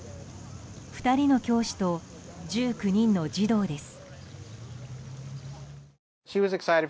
２人の教師と１９人の児童です。